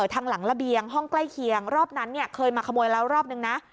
ทางหลังระเบียงห้องใกล้เคียงรอบนั้นเนี่ยเคยมาขโมยแล้วรอบนึงนะ